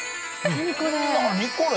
何これ！？